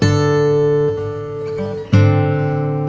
terima kasih ya mas